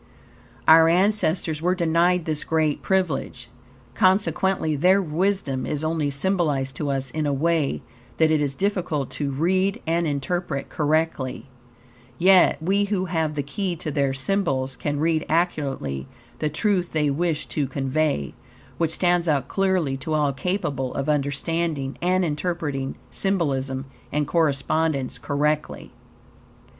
Our ancestors were denied this great privilege. Consequently their wisdom is only symbolized to us in a way that it is difficult to read and interpret correctly, yet we who have the key to their symbols can read accurately the truth they wish to convey, which stands out clearly to all capable of understanding and interpreting symbolism and correspondence correctly.